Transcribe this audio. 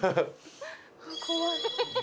怖い。